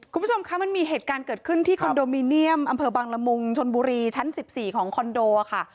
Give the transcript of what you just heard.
คุณผู้ชมคะมันมีเหตุการณ์เกิดขึ้นที่คอนโดมิเนียมอำเภอบังละมุงชนบุรีชั้น๑๔ของคอนโดค่ะ